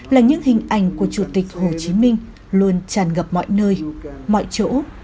là những hình ảnh của chủ tịch hồ chí minh luôn tràn ngập mọi nơi mọi chỗ